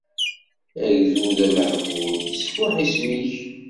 Agdud amehbul isfuḥ isem-ik.